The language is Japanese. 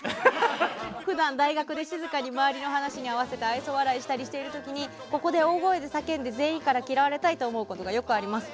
普段、大学で静かに周りの話に合わせて愛想笑いをしていたりする時にここで大声で叫んで全員から嫌われたいと思うことがよくあります。